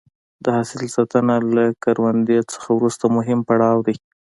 د حاصل ساتنه له کروندې نه وروسته مهم پړاو دی.